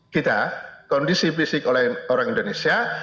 kita kondisi fisik oleh orang indonesia